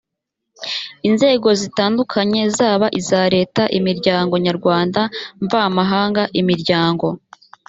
inzego zitandukanye zaba iza leta imiryango nyarwanda mva mahanga imiryango